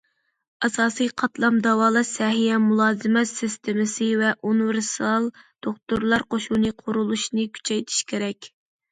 ئاساسىي قاتلام داۋالاش سەھىيە مۇلازىمەت سىستېمىسى ۋە ئۇنىۋېرسال دوختۇرلار قوشۇنى قۇرۇلۇشىنى كۈچەيتىش كېرەك.